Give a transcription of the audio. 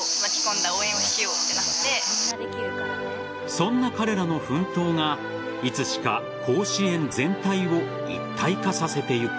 そんな彼らの奮闘がいつしか甲子園全体を一体化させていく。